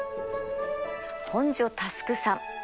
本庶佑さん。